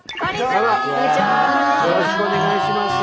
よろしくお願いします。